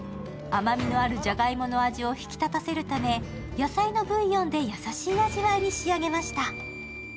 甘みのあるじゃがいもの味を引き立たせるため野菜のブイヨンで優しい味に仕上げました。